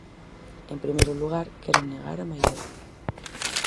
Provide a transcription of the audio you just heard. En primeiro lugar, quero negar a maior.